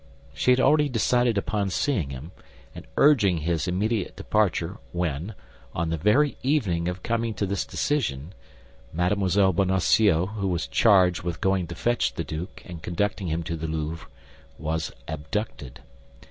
She had already decided upon seeing him and urging his immediate departure, when, on the very evening of coming to this decision, Mme. Bonacieux, who was charged with going to fetch the duke and conducting him to the Louvre, was abducted.